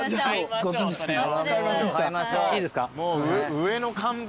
上の看板